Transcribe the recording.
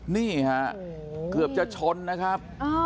นี่ฮะเกือบจะชนนะครับ